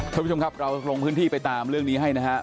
ท่านผู้ชมครับเราลงพื้นที่ไปตามเรื่องนี้ให้นะครับ